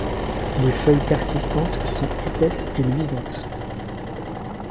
Les feuilles persistantes sont épaisses et luisantes.